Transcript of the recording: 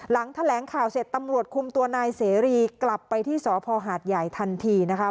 หลังแถลงข่าวเสร็จตำรวจคุมตัวนายเสรีกลับไปที่สพหาดใหญ่ทันทีนะคะ